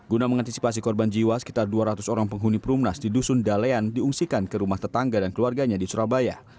guna mengantisipasi korban jiwa sekitar dua ratus orang penghuni perumnas di dusun dalean diungsikan ke rumah tetangga dan keluarganya di surabaya